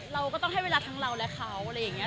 เราก็ต้องให้เวลาทั้งเราและเขา